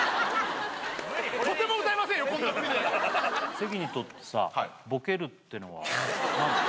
関にとってさボケるってのは何なの？